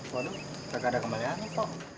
waduh enggak ada kembaliannya pak